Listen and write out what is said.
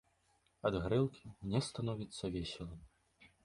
Ад гарэлкі мне становіцца весела.